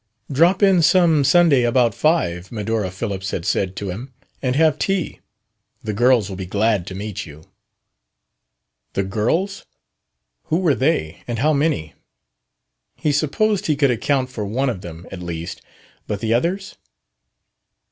"Drop in some Sunday about five," Medora Phillips had said to him, "and have tea. The girls will be glad to meet you." "The girls"? Who were they, and how many? He supposed he could account for one of them, at least; but the others?